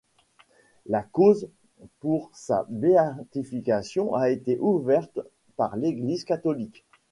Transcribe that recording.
La cause pour sa béatification a été ouverte par l'Église catholique.